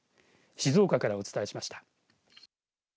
静岡からお伝えしました。